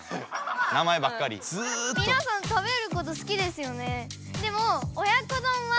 みなさん食べることすきですよね？